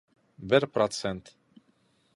Бер процент